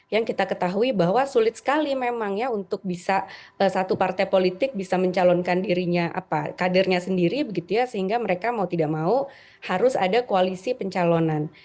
yang kita ketahui bahwa sulit sekali memang ya untuk bisa satu partai politik bisa mencalonkan dirinya apa kadernya sendiri begitu ya sehingga mereka mau tidak mau harus ada koalisi pencalonan